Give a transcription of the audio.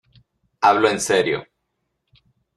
hablo en serio.